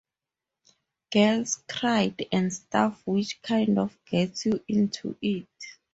Girls cried and stuff which kind of gets you into it.